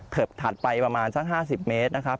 ถัดไปประมาณสัก๕๐เมตรนะครับ